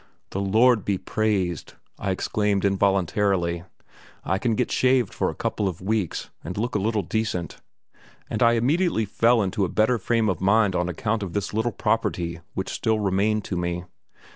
"The Lord be praised," I exclaimed involuntarily; "I can still get shaved for a couple of weeks, and look a little decent"; and I immediately fell into a better frame of mind on account of this little property which still remained to me.